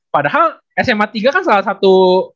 padahal sma tiga kan salah satu